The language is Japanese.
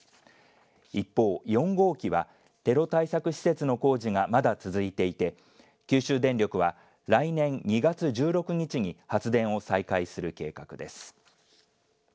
一方、４号機はテロ対策施設の工事がまだ続いていて九州電力は来年２月１６日に発電を再開する計画です。